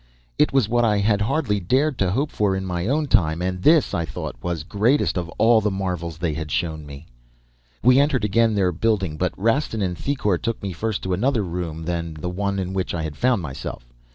It was what I had hardly dared to hope for, in my own time, and this, I thought, was greatest of all the marvels they had shown me! "We entered again their building but Rastin and Thicourt took me first to another room than the one in which I had found myself.